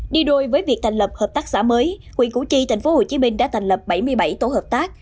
đi đôi với việc thành lập hợp tác xã mới huyện củ chi tp hcm đã thành lập bảy mươi bảy tổ hợp tác